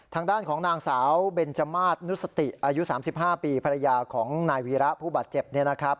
ทางด้านของนางสาวเบนจมาสนุสติอายุ๓๕ปีภรรยาของนายวีระผู้บาดเจ็บเนี่ยนะครับ